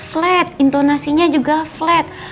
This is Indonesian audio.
flat intonasinya juga flat